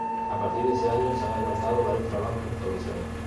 A partir de ese año, se han adelantado varios trabajos de restauración.